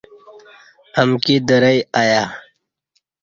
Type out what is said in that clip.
امکی درئی آیا۔